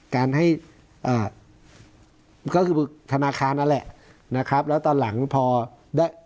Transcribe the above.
การให้อ่าก็คือธนาคารนั่นแหละนะครับแล้วตอนหลังพอได้